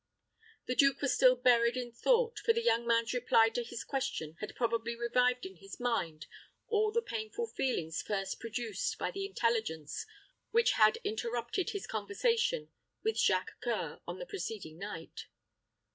The duke was still buried in thought; for the young man's reply to his question had probably revived in his mind all the painful feelings first produced by the intelligence which had interrupted his conversation with Jacques C[oe]ur on the preceding night.